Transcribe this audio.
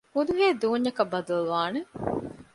އުދުހޭ ދޫންޏަކަށް ބަދަލުވާނެ